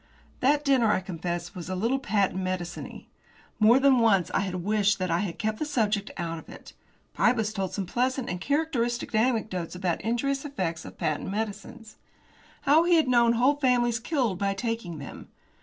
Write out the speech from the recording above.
That dinner, I confess, was a little patent mediciney. More than once I rather wished that I had kept the subject out of it. Pybus told some pleasant and characteristic anecdotes about injurious effects of patent medicines. How he had known whole families killed by taking them.